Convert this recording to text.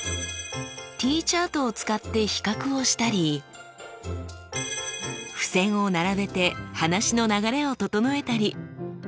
Ｔチャートを使って比較をしたり付せんを並べて話の流れを整えたり。